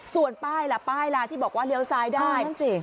ส่วนป้ายละป้ายละที่บอกว่าเลี้ยวซ้ายได้